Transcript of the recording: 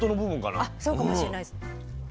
あそうかもしれないです。